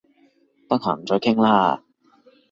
得閒再傾啦